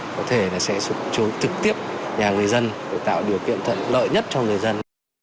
có thể là sẽ trực tiếp nhà người dân để tạo điều kiện thuận lợi nhất cho người dân